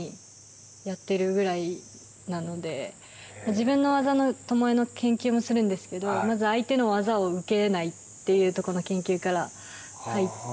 自分の技の巴の研究もするんですけど、まず相手の技を受けないというところの研究から入って。